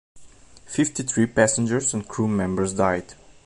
Fifty-three passengers and crew members died.